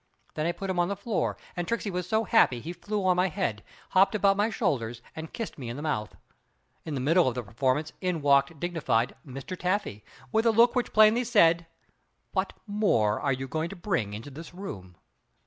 Then I put him on the floor, and Tricksey was so happy he flew on my head, hopped about my shoulders and kissed me in the mouth. In the middle of the performance in walked dignified Mr. Taffy with a look which plainly said, "What more are you going to bring into this room?"